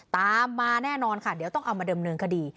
ตามมาแน่นอนค่ะเดี๋ยวต้องเอามาเดิมเนินคดี